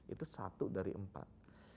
itu satu dari empat